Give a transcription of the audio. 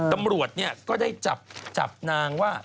ตำรวจก็ได้จับนางว่า